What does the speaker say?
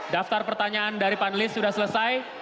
daftar pertanyaan dari panelis sudah selesai